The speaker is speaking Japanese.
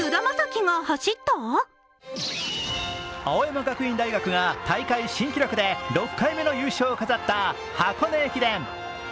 青山学院大学が大会新記録で６回目の優勝を飾った箱根駅伝。